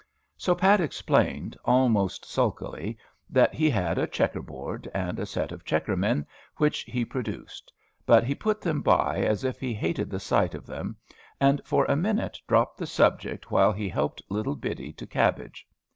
So Pat explained, almost sulkily, that he had a checker board, and a set of checker men, which he produced; but he put them by as if he hated the sight of them, and for a minute dropped the subject, while he helped little Biddy to cabbage.